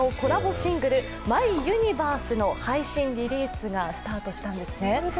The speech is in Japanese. シングル「ＭｙＵｎｉｖｅｒｓｅ」の配信・リリースがスタートしたんですね。